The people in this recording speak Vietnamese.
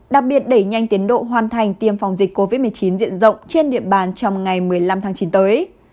đặc biệt đẩy nhanh tiến độ hoàn thành tiêm phòng dịch covid một mươi chín diện rộng trên địa bàn trong ngày một mươi năm tháng chín tới